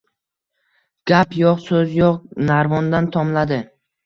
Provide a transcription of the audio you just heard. Gap yo‘q, so‘z yo‘q — narvondan tomladi.